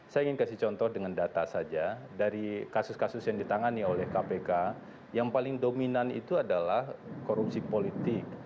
saya ingin kasih contoh dengan data saja dari kasus kasus yang ditangani oleh kpk yang paling dominan itu adalah korupsi politik